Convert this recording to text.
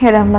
ya udah mbak